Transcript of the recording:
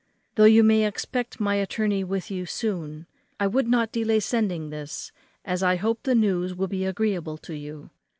Though you may expect my attorney with you soon, I would not delay sending this, as I hope the news will be agreeable to you.